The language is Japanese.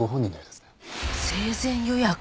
生前予約？